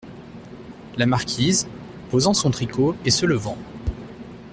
La Marquise , posant son tricot et se levant.